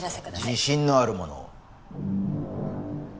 自信のあるものを。